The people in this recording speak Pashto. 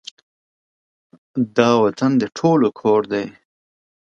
دا وطــن د ټولو کـــــــــــور دی